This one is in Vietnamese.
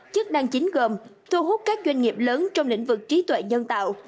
chức năng chính gồm thu hút các doanh nghiệp lớn trong lĩnh vực trí tuệ nhân tạo